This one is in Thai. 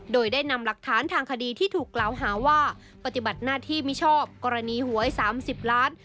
โดยได้นำหลักฐานทางคดีที่ถูกกล่าวหาว่าปฏิบัติหน้าที่มิชอบกรณีหวย๓๐ล้าน